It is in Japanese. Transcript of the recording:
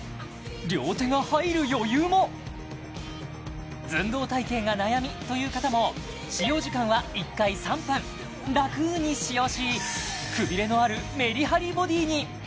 両手が入る余裕も寸胴体形が悩みという方も使用時間は１回３分ラクに使用しくびれのあるメリハリボディに！